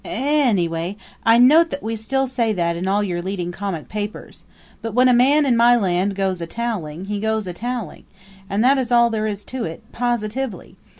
anyway, I note that we still say that in all your leading comic papers; but when a man in my land goes a toweling, he goes a toweling and that is all there is to it, positively!